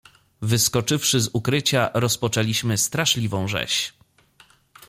"„Wyskoczywszy z ukrycia, rozpoczęliśmy straszliwą rzeź."